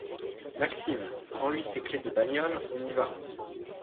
Maxime, rends-lui ses clés de bagnole, on y va.